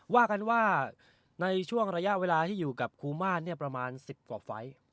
ว่ากันว่าในช่วงระยะเวลาที่อยู่กับครูมานประมาณ๑๐กว่าไฟล์